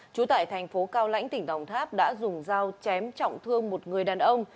trú tại thành phố cao lãnh tỉnh đồng tháp đã dùng dao chém trọng thương một người đàn ông